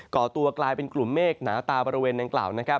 ก่อตัวกลายเป็นกลุ่มเมฆหนาตาบริเวณนางกล่าว